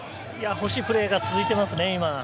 惜しいプレーが続いていますね。